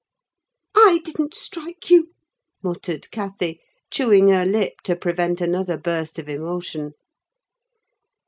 "I didn't strike you!" muttered Cathy, chewing her lip to prevent another burst of emotion.